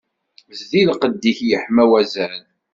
Zdi lqedd-ik yeḥma wazal.